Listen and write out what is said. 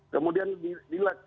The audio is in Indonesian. kemudian di check lagi ya